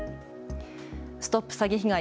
ＳＴＯＰ詐欺被害！